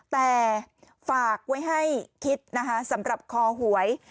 แต่ฝากไว้ให้คิดนะคะสำหรับคอหวย